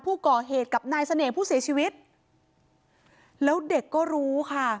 ผู้ก่อเหตุกับนายเสน่ห์ผู้เสียชีวิตแล้วเด็กก็รู้ค่ะ